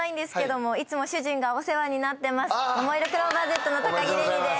ももいろクローバーＺの高城れにです。